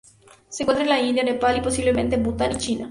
Se encuentra en la India, Nepal y, posiblemente en Bután y China.